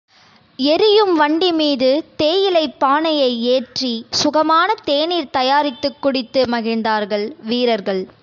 எரியும் வண்டிமீது தேயிலைப் பானையை ஏற்றி, சுகமான தேநீர் தயாரித்துக் குடித்து மகிழ்ந்தார்கள் வீரர்கள்.